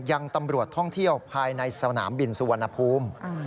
ยังตำรวจท่องเที่ยวภายในสนามบินสุวรรณภูมิ